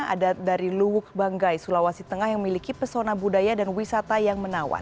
ada dari luwuk banggai sulawesi tengah yang memiliki pesona budaya dan wisata yang menawan